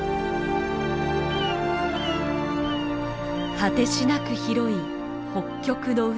果てしなく広い北極の海。